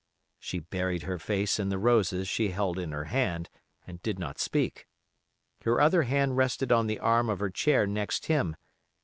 She buried her face in the roses she held in her hand, and did not speak. Her other hand rested on the arm of her chair next him.